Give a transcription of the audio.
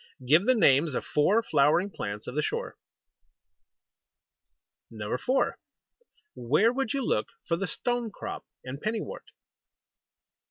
Give the names of four flowering plants of the shore. 4. Where would you look for the Stone crop and Penny wort?